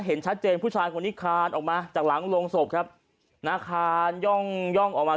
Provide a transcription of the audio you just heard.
เห็นชัดเจนผู้ชายคนนี้คานออกมาจากหลังโรงศพครับนาคานย่องย่องออกมา